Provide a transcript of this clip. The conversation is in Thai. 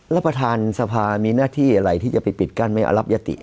แล้วประธานสภามีหน้าที่อะไรที่จะไปปิดกั้นไม่เอารับยติ